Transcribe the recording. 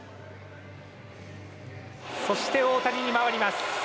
そして大谷に回ります。